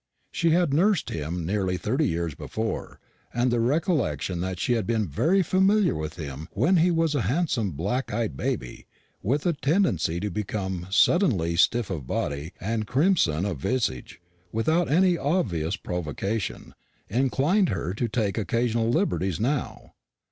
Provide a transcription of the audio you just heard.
She had nursed him nearly thirty years before, and the recollection that she had been very familiar with him when he was a handsome black eyed baby, with a tendency to become suddenly stiff of body and crimson of visage without any obvious provocation, inclined her to take occasional liberties now.